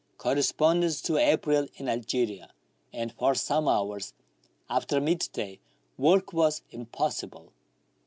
corresponds to April in Algeria, and for some hours after mid day work was impossible.